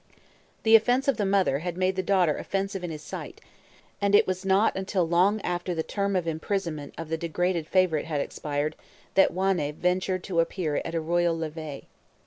The offence of the mother had made the daughter offensive in his sight; and it was not until long after the term of imprisonment of the degraded favorite had expired that Wanne ventured to appear at a royal levée.